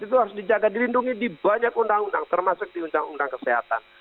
itu harus dijaga dilindungi di banyak undang undang termasuk di undang undang kesehatan